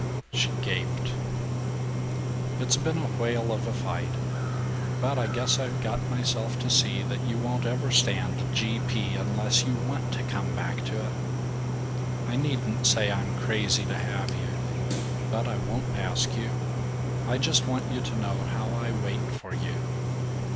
She gaped. "It's been a whale of a fight. But I guess I've got myself to see that you won't ever stand G. P. unless you WANT to come back to it. I needn't say I'm crazy to have you. But I won't ask you. I just want you to know how I wait for you.